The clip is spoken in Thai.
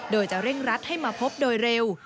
โดยจะเร่งรัดให้มาพบโดยเร็ว